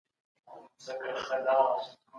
دغه مرحله د اوږدې مودې لپاره دوام وکړ.